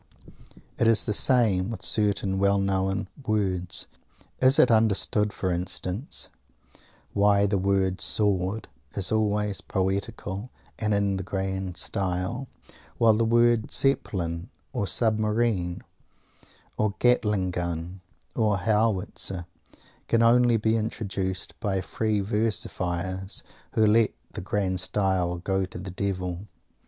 It is the same with certain well known words. Is it understood, for instance, why the word "Sword" is always poetical and in "the grand style," while the word "Zeppelin" or "Submarine" or "Gatling gun" or "Howitzer" can only be introduced by Free Versifiers, who let the "grand style" go to the Devil?